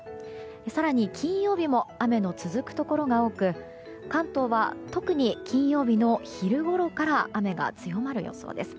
更に金曜日も雨の続くところが多く関東は特に金曜日の昼ごろから雨が強まる予想です。